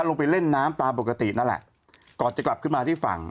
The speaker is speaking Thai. ลงไปเล่นน้ำตามปกตินั่นแหละก่อนจะกลับขึ้นมาที่ฝั่ง